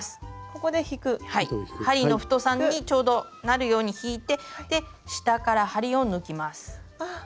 針の太さにちょうどなるように引いて下から針を抜きます。